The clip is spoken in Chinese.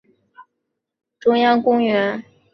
糖山南侧就是中央公园。